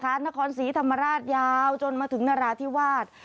นครศรีธรรมราชยาวจนมาถึงนราธิวาส